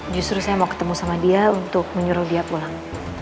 justru saya mau ketemu sama dia untuk menyuruh dia pulang